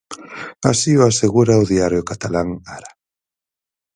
Así o asegura o diario catalán Ara.